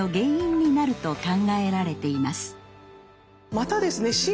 またですね